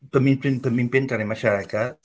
pemimpin pemimpin dari masyarakat